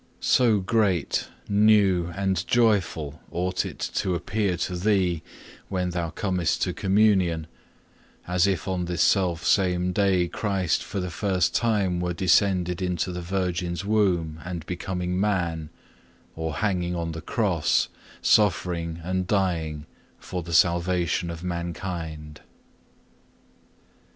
So great, new, and joyful ought it to appear to thee when thou comest to communion, as if on this self same day Christ for the first time were descending into the Virgin's womb and becoming man, or hanging on the cross, suffering and dying for the salvation of mankind.